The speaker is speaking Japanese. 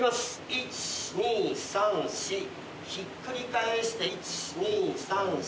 １２３４ひっくり返して１２３４。